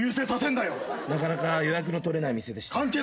なかなか予約の取れない店でして。